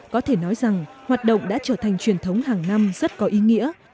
có thể nói rằng hoạt động đã trở thành truyền thống hàng năm rất có ý nghĩa